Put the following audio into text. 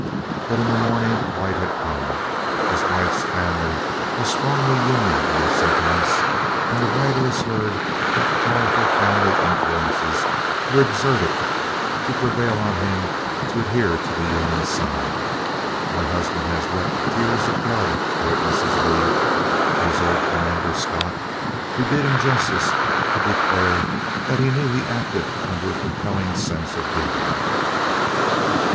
But in the morning light had come. His wife's family were strongly Union in their sentiments, and the writer has heard that powerful family influences were exerted to prevail on him to adhere to the Union side. 'My husband has wept tears of blood,' wrote Mrs. Lee to his old commander, Scott, who did him the justice to declare that he knew he acted under a compelling sense of duty."